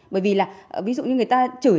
bởi vì là ví dụ như người ta chửi